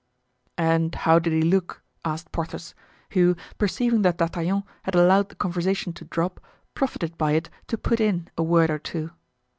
"And how did he look?" asked Porthos, who, perceiving that D'Artagnan had allowed the conversation to drop, profited by it to put in a word or two.